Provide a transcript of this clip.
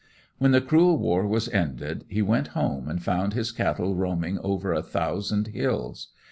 When the cruel war was ended, he went home and found his cattle roaming over a thousand hills.